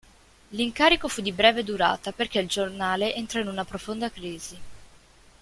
L'incarico fu di breve durata, perché il giornale entrò in una profonda crisi.